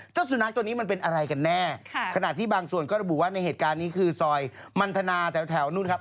เจ้าสุนัขตัวนี้มันเป็นอะไรกันแน่ขณะที่บางส่วนก็ระบุว่าในเหตุการณ์นี้คือซอยมันทนาแถวนู่นครับ